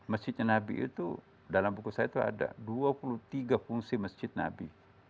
masjidnya nabi itu dalam buku saya itu ada dua puluh tiga fungsi masjid nabi